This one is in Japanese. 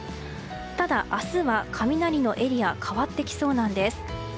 ただ明日は雷のエリア変わってきそうなんです。